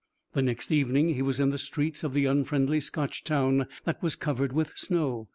The next evening he was in the streets of the unfriendly Scotch town that was covered with snow.